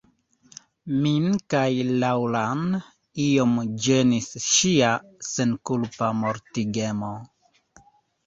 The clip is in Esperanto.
Min kaj Laŭran iom ĝenis ŝia senkulpa mortigemo.